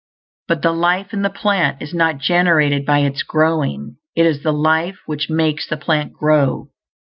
But the life in the plant is not generated by its growing; it is the life which makes the plant grow.